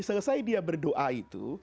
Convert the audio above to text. selesai dia berdoa itu